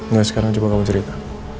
enggak sekarang coba kamu cerita